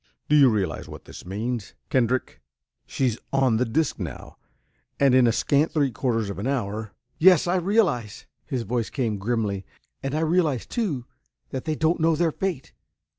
"Do you realize what this means, Kendrick? She's on the disc now and in a scant three quarters of an hour...." "Yes, I realize!" his voice came grimly. "And I realize, too, that they don't know their fate.